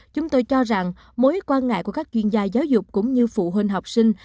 chúng tôi cho rằng mối quan ngại của các chuyên gia giáo dục cũng như phụ huynh học sinh